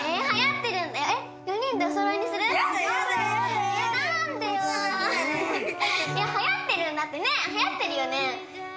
はやってるよね？